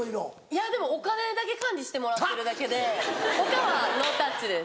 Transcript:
いやでもお金だけ管理してもらってるだけで他はノータッチです。